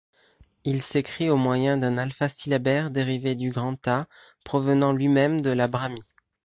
Il s'écrit au moyen d'un alphasyllabaire dérivé du grantha, provenant lui-même de la brahmi.